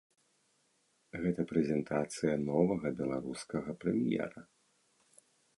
Гэта прэзентацыя новага беларускага прэм'ера.